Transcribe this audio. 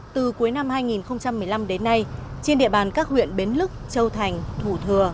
từ cuối năm hai nghìn một mươi năm đến nay trên địa bàn các huyện bến lức châu thành thủ thừa